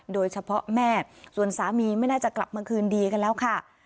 แม่ส่วนสามีไม่น่าจะกลับมาคืนดีกันแล้วค่ะ